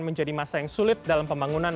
menjadi masa yang sulit dalam pembangunan